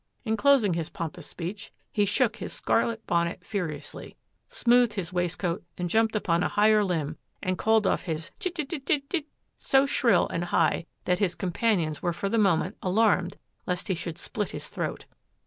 In closing his pompous speech he shook his scarlet bonnet furiously, smoothed his waistcoat and jumped upon a higher limp and called off his "chit it it it it it" so shrill and high that his companions were for the moment alarmed lest he should split his throat.